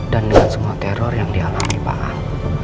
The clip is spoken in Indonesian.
dan dengan semua teror yang dialami pak al